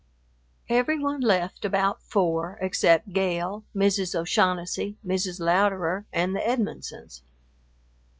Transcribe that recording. Every one left about four except Gale, Mrs. O'Shaughnessy, Mrs. Louderer, and the Edmonsons.